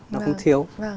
nó không thiếu